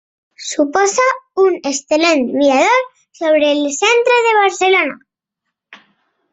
Suposa un excel·lent mirador sobre el centre de Barcelona.